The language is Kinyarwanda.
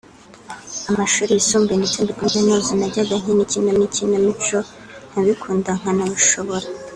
amashuri yisumbuye ndetse na kaminuza najyaga nkina ikinamico nkabikunda nkanabishobora